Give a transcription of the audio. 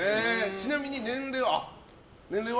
ちなみに年齢は？